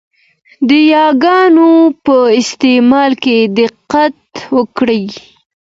د یاګانو په استعمال کې دقت وکړئ!